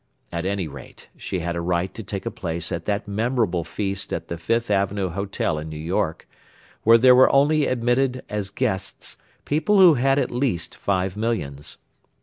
At any rate she had a right to take a place at that memorable feast at the Fifth Avenue Hotel in New York, where there were only admitted as guests people who had at least five millions.